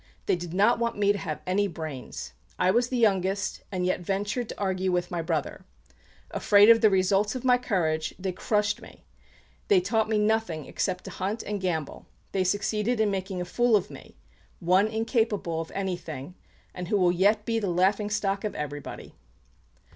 They did not want me to have any brains. I was the youngest, and yet ventured to argue with my brother. Afraid of the results of my courage, they crushed me; they taught me nothing except to hunt and gamble; they succeeded in making a fool of me, one incapable of anything and who will yet be the laughing stock of everybody."